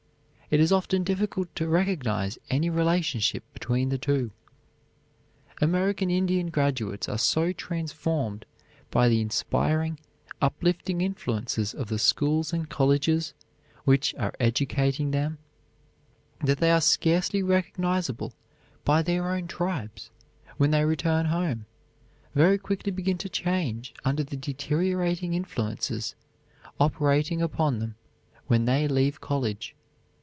It is often difficult to recognize any relationship between the two. American Indian graduates, who are so transformed by the inspiring, uplifting influences of the schools and colleges which are educating them that they are scarcely recognizable by their own tribes when they return home, very quickly begin to change under the deteriorating influences operating upon them when they leave college.